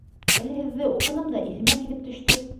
Әле һеҙҙе уҡыным да иҫемә килеп төштө.